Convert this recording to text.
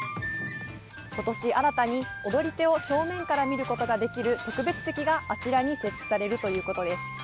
今年新たに踊り手を正面から見ることができる特別席があちらに設置されるということです。